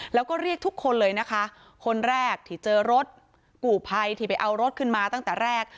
แล้วก็เรียกทุกคนเลยนะคะคนแรกที่เจอรถกู่ภัยที่ไปเอารถขึ้นมาตั้งแต่แรก